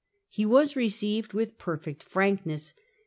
He was received with perfect frankness.